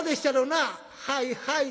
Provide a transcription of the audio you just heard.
「はいはい。